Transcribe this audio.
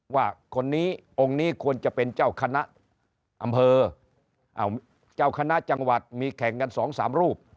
ว่าคนนี้องค์นี้ควรจะเป็นเจ้าคณะอำเภอเจ้าคณะจังหวัดมีแข่งกันสองสามรูป